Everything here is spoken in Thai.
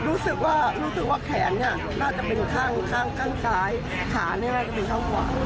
รู้สึกว่าแขนน่าจะเป็นข้างข้างซ้ายขาน่าจะเป็นข้างขวา